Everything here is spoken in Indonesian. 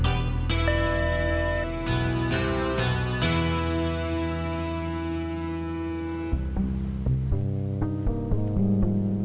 semarang semarang semarang